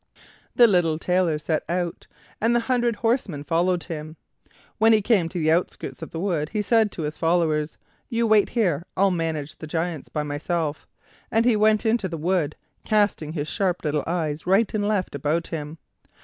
The little Tailor set out, and the hundred horsemen followed him. When he came to the outskirts of the wood he said to his followers: "You wait here, I'll manage the Giants by myself;" and he went on into the wood, casting his sharp little eyes right and left about him.